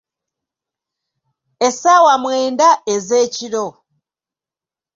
Essaawa mwenda ez'ekiro